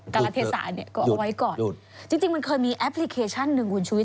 การรัฐเทศะเนี่ยก็เอาไว้ก่อนจริงจริงมันเคยมีแอปพลิเคชันหนึ่งคุณชุวิ